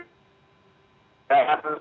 saya akan tanya